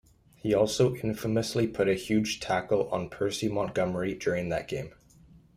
He also infamously put a huge tackle on Percy Montgomery during that game.